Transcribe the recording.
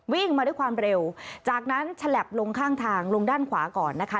วิ่งมาด้วยความเร็วจากนั้นฉลับลงข้างทางลงด้านขวาก่อนนะคะ